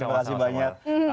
terima kasih banyak